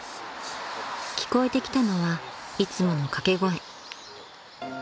［聞こえてきたのはいつもの掛け声］